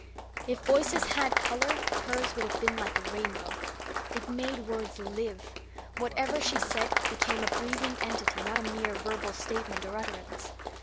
If voices had colour, hers would have been like a rainbow. It made words LIVE. Whatever she said became a breathing entity, not a mere verbal statement or utterance.